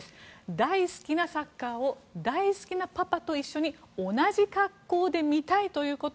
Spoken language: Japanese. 大好きなサッカーを大好きなパパと一緒に同じ格好で見たいということ。